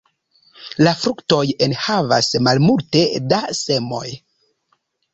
La fruktoj enhavas malmulte da semoj.